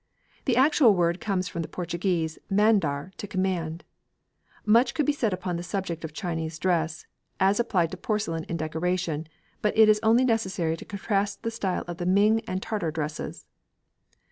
The actual word comes from the Portuguese "Mandar, to command." Much could be said upon the subject of Chinese dress, as applied to porcelain in decoration, but it is only necessary to contrast the style of the Ming and the Tartar dresses.